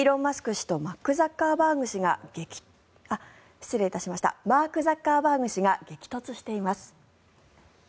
氏とマーク・ザッカーバーグ氏が激突しています。